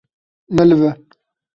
Nelive.